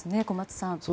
小松さん。